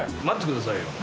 待ってください！